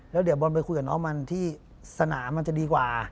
แล้วเดี๋ยวบอลไปคุยกับน้องมันที่สนามมันจะดีกว่า